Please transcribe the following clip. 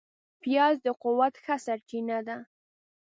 پیاز د قوت ښه سرچینه ده